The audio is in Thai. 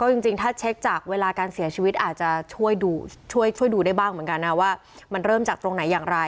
ก็จริงถ้าเช็คจากเวลาการเสียชีวิตอาจจะช่วยดูได้บ้างเหมือนกันนะว่ามันเริ่มจากตรงไหนอย่างไร